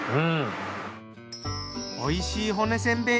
おいしい骨せんべい